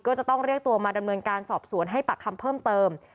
ก็จะต้องเรียกตัวมาดำเนินการสอบสวนให้ปากคำเพิ่มเติม